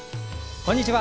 こんにちは。